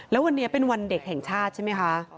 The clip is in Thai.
แล้ววันนี้เป็นวันเด็กแห่งชาติใช่ไหมคะ